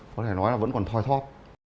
có thể nói là vẫn còn thoai thoát